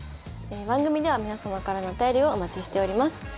番組では皆様からのお便りをお待ちしております。